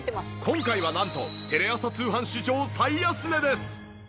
今回はなんとテレ朝通販史上最安値です。